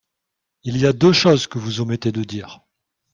Il y a deux choses que vous omettez de dire.